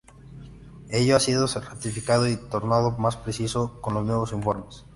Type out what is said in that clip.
Ello ha sido ratificado y tornado más preciso con los nuevos informes.